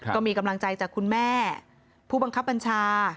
ก็มีกำลังใจจากคุณแม่ผู้บังคับบัญชา